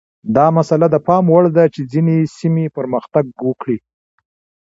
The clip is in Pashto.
دا مسئله د پام وړ ده چې ځینې سیمې پرمختګ وکړي.